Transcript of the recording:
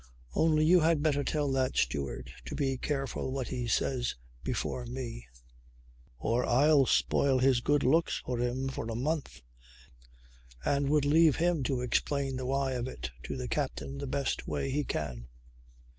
"Only you had better tell that steward to be careful what he says before me or I'll spoil his good looks for him for a month and will leave him to explain the why of it to the captain the best way he can."